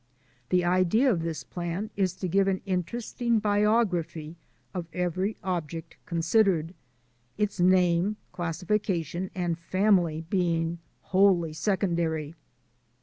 The idea of this plan is to give an interesting biography of every object considered — its name, classification, and family being wholly secondary.